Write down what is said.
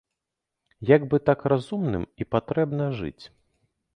Як бы так разумным і патрэбна жыць?